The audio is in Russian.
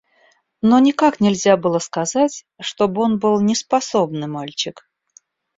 Но никак нельзя было сказать, чтоб он был неспособный мальчик.